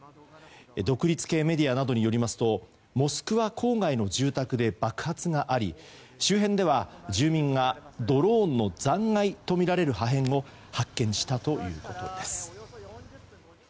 独立系メディアなどによりますとモスクワ郊外の住宅で爆発があり周辺では住民がドローンの残骸とみられる破片を発見したということです。